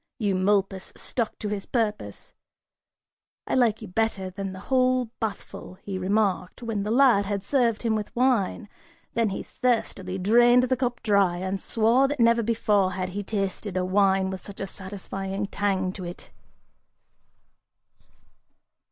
Eumolpus stuck to his purpose. "I like you better than the whole bathful," he remarked, when the lad had served him with wine, then he thirstily drained the cup dry and swore that never before had he tasted a wine with such a satisfying tang to it.